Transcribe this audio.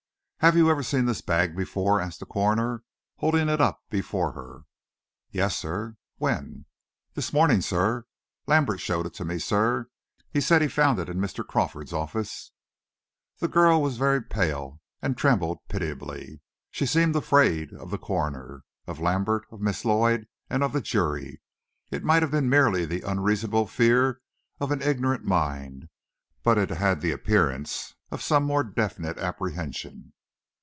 "Have you ever seen this bag before?" asked the coroner, holding it up before her. "Yes, sir." "When?" "This morning, sir. Lambert showed it to me, sir. He said he found it in Mr. Crawford's office." The girl was very pale, and trembled pitiably. She seemed afraid of the coroner, of Lambert, of Miss Lloyd, and of the jury. It might have been merely the unreasonable fear of an ignorant mind, but it had the appearance of some more definite apprehension.